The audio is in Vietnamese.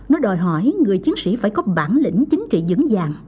nó đòi hỏi người chiến sĩ phải có bản lĩnh chính trị dững dàng